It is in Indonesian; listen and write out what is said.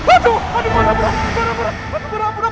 aduh aduh mana burang